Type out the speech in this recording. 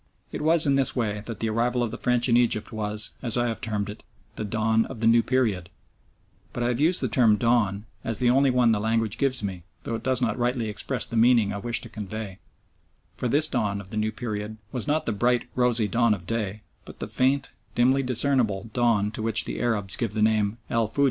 It was in this way that the arrival of the French in Egypt was, as I have termed it, "The dawn of the new period," but I have used the word "dawn" as the only one the language gives me, though it does not rightly express the meaning I wish to convey, for this dawn of the new period was not the "bright, rosy dawn of day," but the faint, dimly discernible dawn to which the Arabs give the name of "el Fujr."